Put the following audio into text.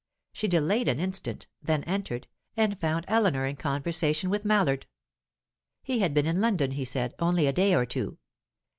She delayed an instant; then entered, and found Eleanor in conversation with Mallard. He had been in London, he said, only a day or two.